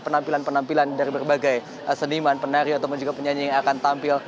penampilan penampilan dari berbagai seniman penari ataupun juga penyanyi yang akan tampil